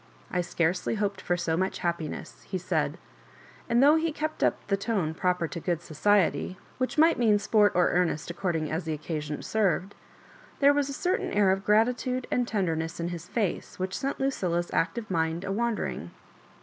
I scarcely hoped for so much happiness," he said; and though he kept up the tone proper to good society, which might mean sport or earnest according as the occasion served, there was a certain air of gratitude and tenderness in his face which sent Lucilla's active mind a wondering.